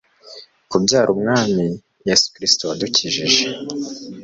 kubyara umwami, yezu kristu wadukijije